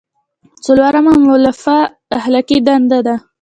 څلورمه مولفه اخلاقي دنده ده.